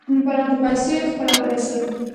په نغدو پیسو یې خپلولای سی.